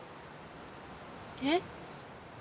えっ？